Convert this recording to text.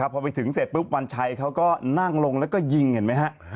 พอไปถึงเสร็จปุ๊บวันชัยเขาก็นั่งลงแล้วก็ยิงเห็นไหมฮะ